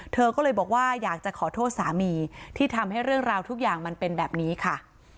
เธอก็เลยบอกว่าอยากจะขอโทษสามีที่ทำให้เรื่องราวทุกอย่างมันเป็นแบบนี้ค่ะ